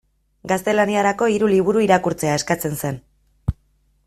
Gaztelaniarako hiru liburu irakurtzea eskatzen zen.